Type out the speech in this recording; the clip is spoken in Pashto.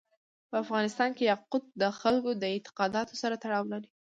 په افغانستان کې یاقوت د خلکو د اعتقاداتو سره تړاو لري.